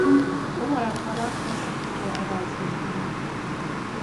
او مرتبا خواست خود را عوض می کند.